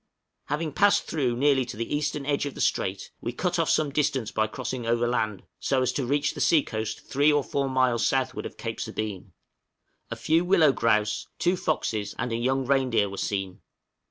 Having passed through nearly to the eastern end of the strait, we cut off some distance by crossing overland, so as to reach the sea coast 3 or 4 miles southward of Cape Sabine. A few willow grouse, two foxes, and a young reindeer were seen.